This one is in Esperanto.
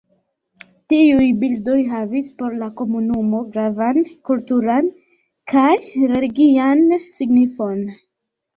Tiuj bildoj havis por la komunumo gravan kulturan kaj religian signifon.